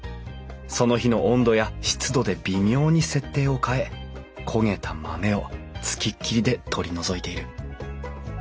その日の温度や湿度で微妙に設定を変え焦げた豆を付きっきりで取り除いている。